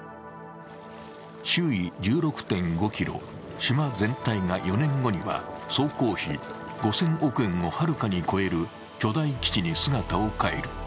周囲１６．５ｋｍ、島全体が４年後には総工費５０００億円をはるかに超える巨大基地に姿を変える。